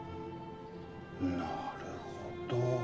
なるほど。